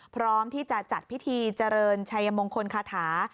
พร้อมที่จะจัดพิธีเจริญชัยมงคลคาถา